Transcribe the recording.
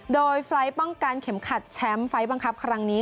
โดยไฟล์ทป้องกันเข็มขัดแชมป์ไฟล์บังคับครั้งนี้